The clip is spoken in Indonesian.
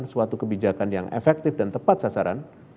suatu kebijakan yang efektif dan tepat sasaran